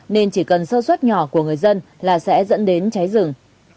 nên chỉ cần sơ suất nhỏ của người dân là sẽ dẫn đến cháy rừng